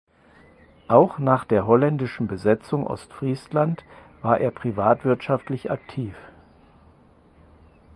Auch nach der holländischen Besetzung Ostfriesland war er privatwirtschaftlich aktiv.